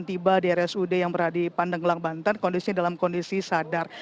tiba di rsud yang berada di pandeglang banten kondisinya dalam kondisi sadar